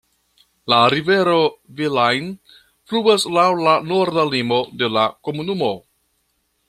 La rivero Vilaine fluas laŭ la norda limo de la komunumo.